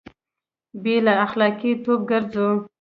بې له اخلاقي توب ګرځوي